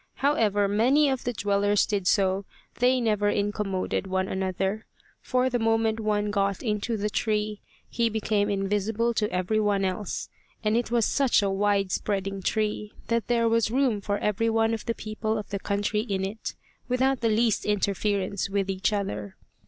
However many of the dwellers there did so, they never incommoded one another; for the moment one got into the tree, he became invisible to every one else; and it was such a wide spreading tree that there was room for every one of the people of the country in it, without the least interference with each other.